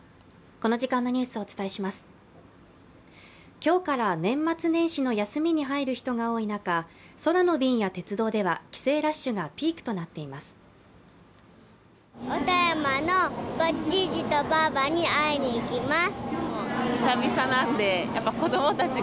今日から年末年始の休みに入る人が多い中空の便や鉄道では帰省ラッシュがピークとなっています。